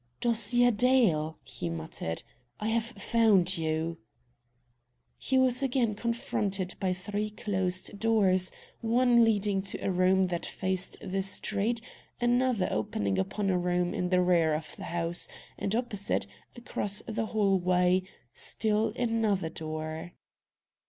"Dosia Dale," he muttered, "I have found you!" He was again confronted by three closed doors, one leading to a room that faced the street, another opening upon a room in the rear of the house, and opposite, across the hallway, still another door.